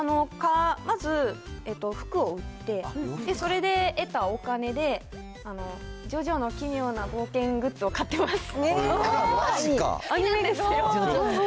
まず服を売って、それで得たお金で、ジョジョの奇妙な冒険グッズを買ってます。